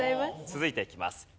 続いていきます。